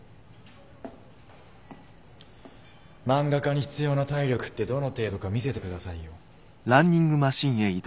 漫画家に必要な体力ってどの程度か見せてくださいよ。